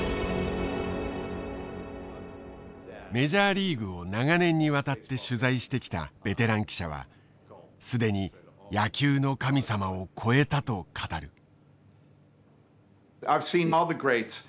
メジャーリーグを長年にわたって取材してきたベテラン記者は既に野球の神様を超えたと語る。